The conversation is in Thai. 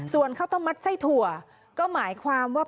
ส่วนข้าวต้มมัดไส้ถั่วก็หมายความว่า